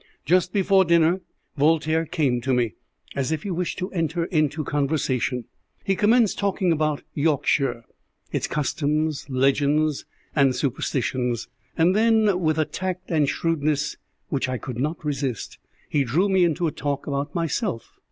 Just before dinner, Voltaire came to me, as if he wished to enter into conversation. He commenced talking about Yorkshire, its customs, legends, and superstitions, and then, with a tact and shrewdness which I could not resist, he drew me into a talk about myself.